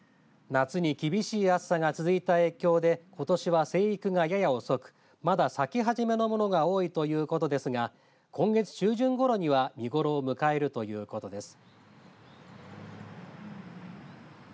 夏に厳しい暑さが続いた影響でことしは生育がやや遅くまだ咲き始めのものが多いということですが今月中旬ごろには見頃を迎えるということです。